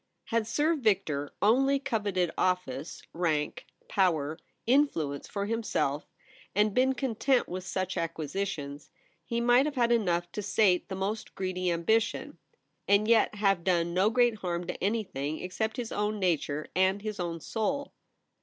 Had Sir Victor only coveted of^ce, rank, power, influence, for himself, and been content with such acquisitions, he might have had enough to sate the most greedy ambition, and yet have done no great harm to anything except his own nature and his own soul.